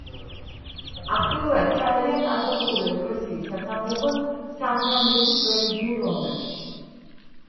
აქტიურად ჩაერია კათოლიკური ეკლესიის სასარგებლოდ, საფრანგეთის რელიგიურ ომებში.